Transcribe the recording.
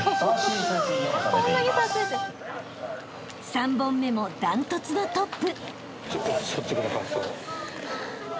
［３本目も断トツのトップ］